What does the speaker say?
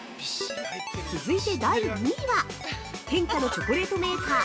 続いて第２位は天下のチョコレートメーカー